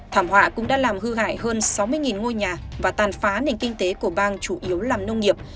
thảm họa cũng đã làm hư hại hơn sáu mươi ngôi nhà và tàn phá nền kinh tế của bang chủ yếu làm nông nghiệp